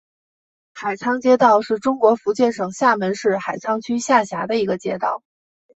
海沧街道是中国福建省厦门市海沧区下辖的一个街道。